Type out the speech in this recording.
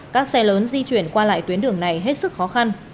các xe lớn di chuyển qua lại tuyến đường này hết sức khó khăn